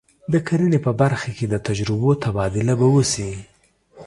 د کرنې په برخه کې د تجربو تبادله به وشي.